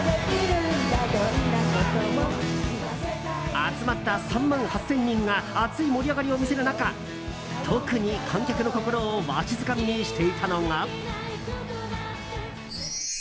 集まった３万８０００人が熱い盛り上がりを見せる中特に観客の心をわしづかみにしていたのが。